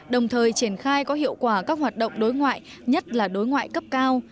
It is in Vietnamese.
đồng thời triển khai có hiệu quả các hoạt động đối ngoại nhất là đối ngoại cấp cao